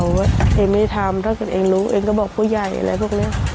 ว่าเองไม่ทำถ้าเกิดเองรู้เองก็บอกผู้ใหญ่อะไรพวกนี้